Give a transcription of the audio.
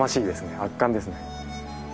圧巻ですね。